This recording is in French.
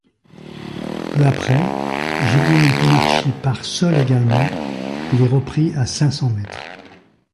Peu après Julien Antomarchi part seul également, il est repris à cinq cents mètres.